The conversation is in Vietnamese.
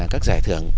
các giải thưởng